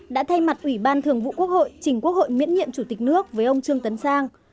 đã thay mặt ủy ban thường vụ quốc hội chỉnh quốc hội miễn nhiệm chủ tịch nước với ông trương tấn sang